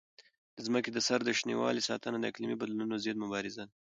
د ځمکې د سر د شینوالي ساتنه د اقلیمي بدلونونو ضد مبارزه ده.